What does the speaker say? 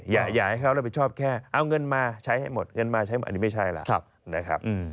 อยากให้เขารับผิดชอบแค่เอาเงินมาใช้ให้หมดเงินมาใช้หมดอันนี้ไม่ใช่แล้วนะครับ